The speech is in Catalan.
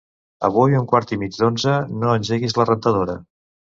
Avui a un quart i mig d'onze no engeguis la rentadora.